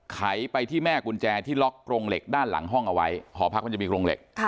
ไขไปที่แม่กุญแจที่ล็อกกรงเหล็กด้านหลังห้องเอาไว้หอพักมันจะมีโครงเหล็ก